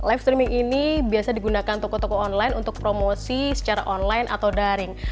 live streaming ini biasa digunakan toko toko online untuk promosi secara online atau daring